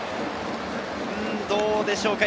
どうでしょうか？